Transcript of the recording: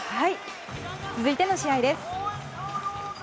続いての試合です。